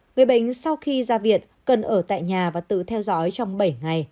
người bệnh sau khi ra viện cần ở tại nhà và tự theo dõi trong bảy ngày